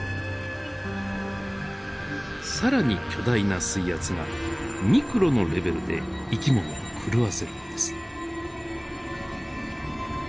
更に巨大な水圧がミクロのレベルで生き物を狂わせるのです。